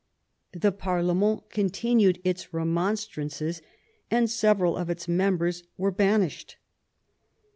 The parlement continued its remonstrances, and several of its members were banished.